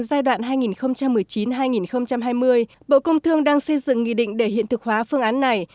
giai đoạn hai nghìn một mươi chín hai nghìn hai mươi bộ công thương đang xây dựng nghị định để hiện thực hóa phương án này